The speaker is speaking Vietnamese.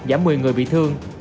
giảm một mươi người bị thương